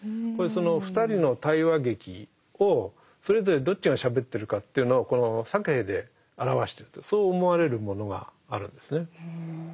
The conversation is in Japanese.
その２人の対話劇をそれぞれどっちがしゃべってるかというのをこのサケヘで表してるとそう思われるものがあるんですね。